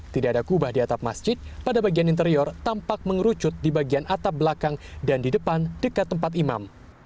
tidak ada kubah di atap masjid pada bagian interior tampak mengerucut di bagian atap belakang dan di depan dekat tempat imam